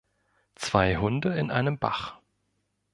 Zwei Hunde in einem Bach